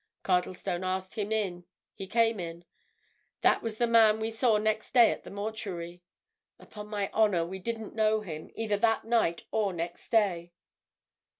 Cardlestone asked him in—he came in. That was the man we saw next day at the mortuary. Upon my honour, we didn't know him, either that night or next day!"